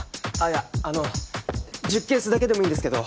いや１０ケースだけでもいいんですけど。